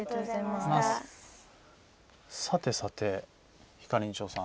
さて、ひかりんちょさん